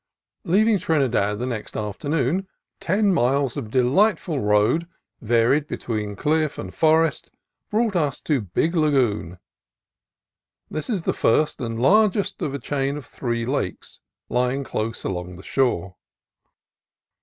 Leaving Trinidad the next afternoon, ten miles of delightful road, varied between cliff and forest, brought us to Big Lagoon. This is the first and larg est of a chain of three lakes, lying close along the shore.